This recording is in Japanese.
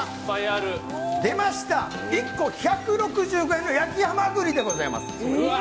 出ました、１個１６５円の焼きハマグリでございます。